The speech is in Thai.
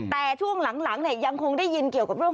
แต่ช่วงหลังเนี่ยยังคงได้ยินเกี่ยวกับเรื่อง